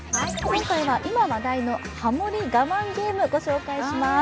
今回は今話題のハモリ我慢ゲーム、ご紹介します。